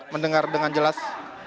mendengar dengan jelas